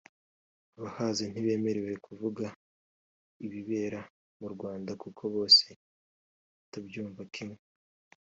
abahaza ntibemerewe kuvuga ibibera mu Rwanda kuko bose batabyumva kimwe